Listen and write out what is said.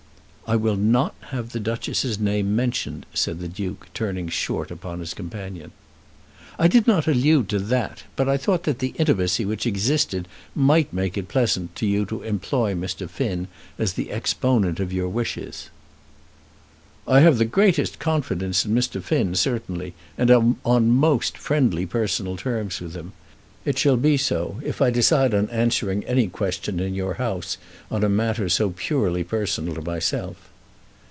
"I will not have the Duchess's name mentioned," said the Duke, turning short upon his companion. "I did not allude to that, but I thought that the intimacy which existed might make it pleasant to you to employ Mr. Finn as the exponent of your wishes." "I have the greatest confidence in Mr. Finn, certainly, and am on most friendly personal terms with him. It shall be so, if I decide on answering any question in your House on a matter so purely personal to myself."